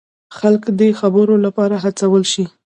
خلک دې د خبرو لپاره هڅول شي.